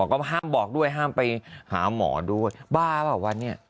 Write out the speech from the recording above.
ก็ห้ามบอกด้วยห้ามไปหาหมอด้วยบ้าเปล่าวะเนี่ย